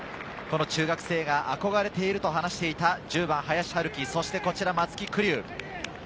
この中学生が憧れていると話していた１０番林晴己、そして松木玖生。